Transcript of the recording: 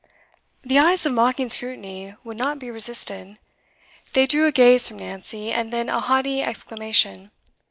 The eyes of mocking scrutiny would not be resisted. They drew a gaze from Nancy, and then a haughty exclamation.